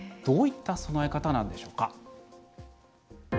どういった備え方なんでしょうか。